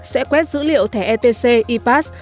sẽ quét dữ liệu thẻ etc epass